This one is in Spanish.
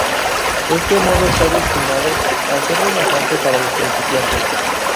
Este modo está destinado a ser relajante para los principiantes.